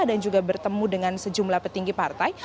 dan juga bertemu dengan sejumlah petinggi partai